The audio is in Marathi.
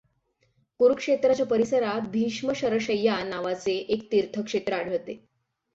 कुरुक्षेत्राच्या परिसरात भीष्मशरशय्या या नावाचे एक तीर्थक्षेत्र आढळते.